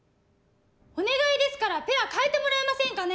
お願いですからペアかえてもらえませんかね！